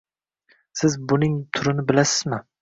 Siz buning turini bilasizmi